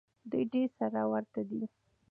دوی ډېر سره ورته دي.